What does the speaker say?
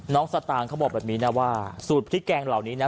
สตางค์เขาบอกแบบนี้นะว่าสูตรพริกแกงเหล่านี้นะ